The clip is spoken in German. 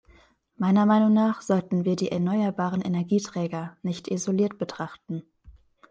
Meiner Meinung nach sollten wir die erneuerbaren Energieträger nicht isoliert betrachten.